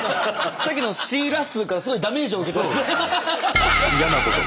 さっきのシー・ラッスーからすごいダメージを受けてます。